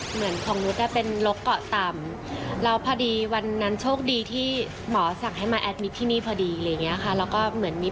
เหมือนของนู้นก็เป็นโรคเกาะต่ำแล้วพอดีวันนั้นโชคดีที่หมอสั่งให้มาแอดมิตรที่นี่พอดี